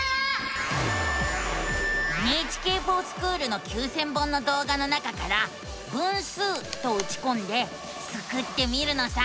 「ＮＨＫｆｏｒＳｃｈｏｏｌ」の９，０００本の動画の中から「分数」とうちこんでスクってみるのさ！